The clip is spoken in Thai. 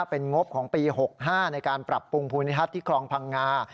เป็นงบของปี๖๕ในการปรับปรุงภูมิทัศน์ที่คลองพังงา